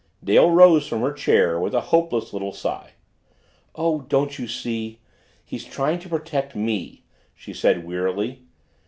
Dale rose from her chair with a hopeless little sigh. "Oh, don't you see he's trying to protect me," she said wearily.